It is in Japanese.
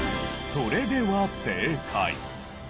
それでは正解。